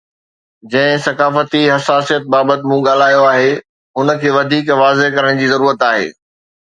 جنهن ثقافتي حساسيت بابت مون ڳالهايو آهي، ان کي وڌيڪ واضح ڪرڻ جي ضرورت آهي.